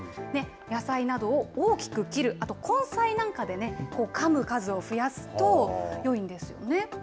野菜などを大きく切る、あと根菜なんかでね、かむ数を増やすとよいんですよね。